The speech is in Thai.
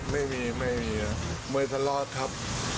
ไม่มีไม่มีมวยทะเลาะครับ